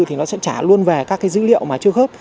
thì nó sẽ trả luôn về các cái dữ liệu mà chưa khớp